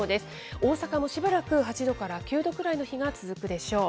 大阪もしばらく８度から９度ぐらいの日が続くでしょう。